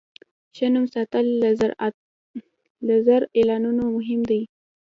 ښه نوم ساتل له زر اعلانونو مهم دی.